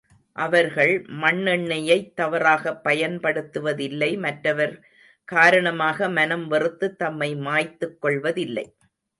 அவர்கள் மண்ணெண்ணெயைத் தவறாகப் பயன்படுத்துவதில்லை மற்றவர் காரணமாக மனம் வெறுத்துத் தம்மை மாய்த்துக்கொள்வதில்லை.